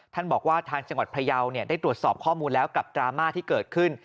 บอกว่าทางจังหวัดพยาวได้ตรวจสอบข้อมูลแล้วกับดราม่าที่เกิดขึ้น